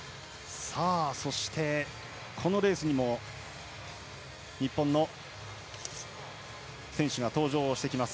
そして、このレースにも日本の選手が登場してきます。